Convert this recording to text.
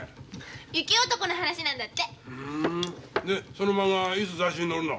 でそのまんがはいつ雑誌に載るの？